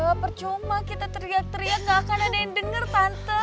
gak percuma kita teriak teriak gak akan ada yang denger tante